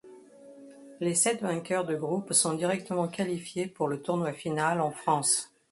Les sept vainqueurs de groupes sont directement qualifiés pour le tournoi final en France.